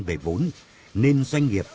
về vốn nên doanh nghiệp